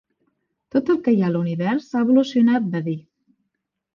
"Tot el que hi ha a l'univers ha evolucionat", va dir.